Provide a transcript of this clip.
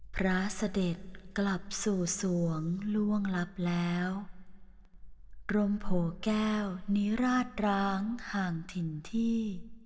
พระเสด็จกลับสู่สวงล่วงลับแล้วกรมโผแก้วนิราชร้างห่างถิ่นที่